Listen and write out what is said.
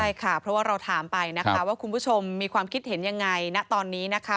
ใช่ค่ะเพราะว่าเราถามไปนะคะว่าคุณผู้ชมมีความคิดเห็นยังไงณตอนนี้นะคะ